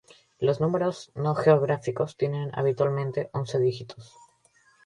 Los números no geográficos tienen habitualmente once dígitos.